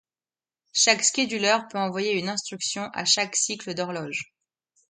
Chaque scheduler peut envoyer une instruction à à chaque cycle d'horloge.